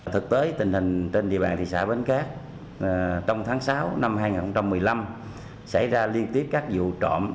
thực tế tình hình trên địa bàn thị xã bến cát trong tháng sáu năm hai nghìn một mươi năm xảy ra liên tiếp các vụ trộm